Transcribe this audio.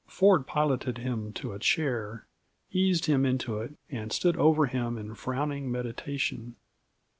Ford piloted him to a chair, eased him into it, and stood over him in frowning meditation.